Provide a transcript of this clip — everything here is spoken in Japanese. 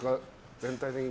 全体的に。